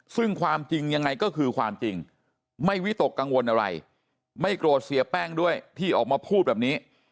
ซึ่งความจริงยังไงก็คือความจริงไม่วิตกกังวลอะไรไม่โกรธเสียแป้งด้วยที่ออกมาพูดแบบนี้